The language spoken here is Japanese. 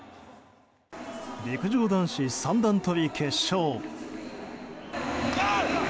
陸上男子三段跳び決勝。